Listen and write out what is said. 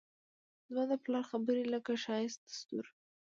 زما د پلار خبرې لکه ښایست دستورو